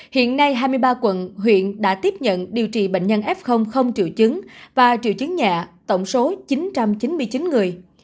hiện nay hai mươi ba quận huyện đã tiếp nhận điều trị bệnh nhân f không triệu chứng và triệu chứng nhẹ tổng số chín trăm chín mươi chín người